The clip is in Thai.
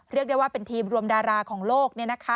เรียกได้ว่าเป็นทีมรวมดาราของโลก